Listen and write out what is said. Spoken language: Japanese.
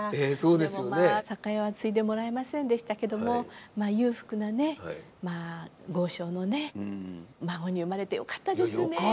でもまあ酒屋は継いでもらえませんでしたけどもまあ裕福なね豪商の孫に生まれてよかったですね。